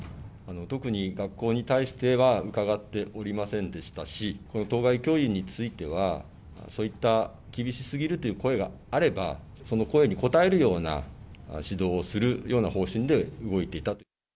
特に学校に対しては、伺っておりませんでしたし、当該教員については、そういった厳しすぎるといった声があれば、その声にこたえるような指導をするような方針で動いていた。